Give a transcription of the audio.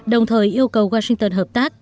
đồng thời yêu cầu washington hợp tác